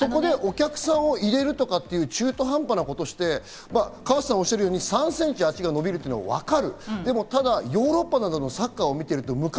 そこでお客さんを入れるとかっていう中途半端なことをして、河瀬さんがおっしゃるように、３ｃｍ足が伸びるというのはわかる。